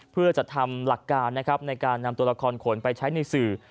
เพื่อจะทำหลักการนะครับในการนำตัวละครขนไปใช้ในสื่อ